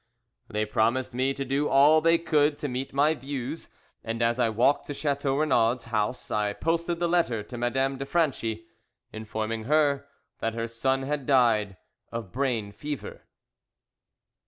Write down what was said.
They promised me to do all they could to meet my views, and as I walked to Chateau Renaud's house I posted the letter to Madame de Franchi, informing her that her son had died of brain fever.